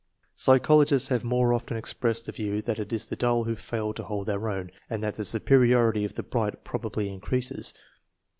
Psychologists have more often expressed the view that it is the dull who fail to hold their own, and that the superiority of the bright probably increases.